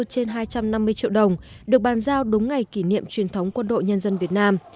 trên hai trăm năm mươi triệu đồng được bàn giao đúng ngày kỷ niệm truyền thống quân đội nhân dân việt nam